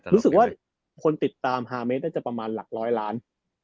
รู้สึกว่าคนติดตาม๕เมตรจะประมาณหลัก๑๐๐ล้าน